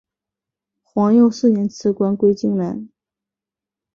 皇佑四年辞官归荆南。